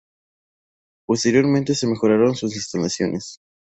Posteriormente se mejoraron sus instalaciones.